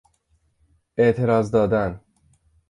اعتراض دادن